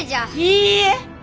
いいえ